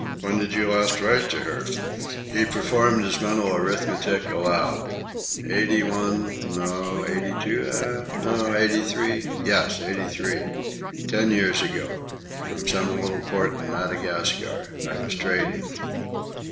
"When did you last write to her?" He performed his mental arithmetic aloud. "Eighty one; no—eighty two, eh? no—eighty three? Yes, eighty three. Ten years ago. From some little port in Madagascar. I was trading.